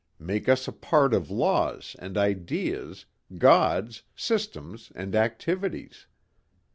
Make us a part of laws and ideas, Gods, systems and activities.